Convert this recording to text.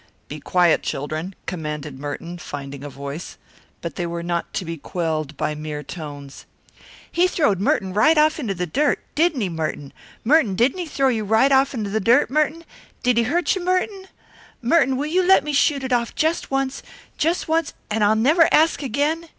"Be quiet, children," commanded Merton, finding a voice. But they were not to be quelled by mere tones. "He throwed Merton right off into the dirt, didn't he, Merton? Merton, didn't he throw you right off into the dirt, Merton? Did he hurt you, Merton?" "Merton, will you let me shoot it off just once just once, and I'll never ask again?"